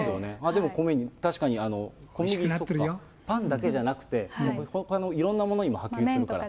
でも確かに小麦粉とか、パンだけじゃなくて、ほかのいろんなものにも波及するから。